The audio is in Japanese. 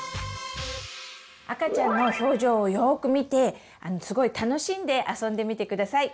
赤ちゃんの表情をよく見てすごい楽しんで遊んでみてください。